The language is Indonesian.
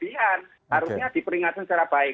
harusnya diperingatkan secara baik